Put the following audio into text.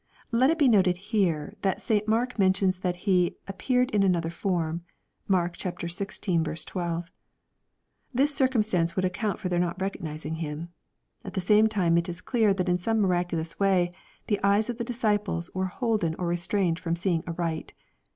] Let it be noted here, that St Mark mentions that He " appeared in another form." (Mark xvi. 12.) This circumstance would account for their not recognizing Him. At the same time it is clear that in some miraculous way the eyes of the disciples were holden or restrained from seeing aright.